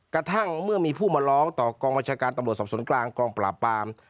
กระทั่งเมื่อมีผู้มาร้องต่อกองบัญชาการตำรวจสอบสวนกลางกองปราบปาม